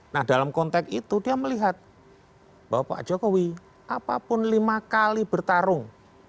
nah dalam konteks itu dia melihat bahwa pak jokowi apapun lima kali bertarung